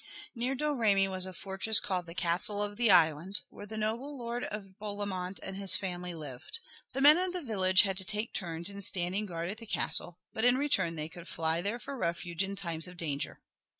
Near Domremy was a fortress called the Castle of the Island where the noble Lord of Boulemont and his family lived. The men of the village had to take turns in standing guard at the castle, but in return they could fly there for refuge in times of danger.